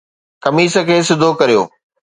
قميص کي سڌو ڪريو